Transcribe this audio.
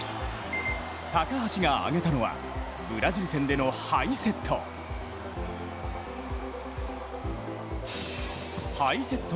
高橋が挙げたのはブラジル戦でのハイセット。